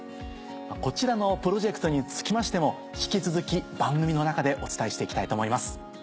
こちらのプロジェクトにつきましても引き続き番組の中でお伝えして行きたいと思います。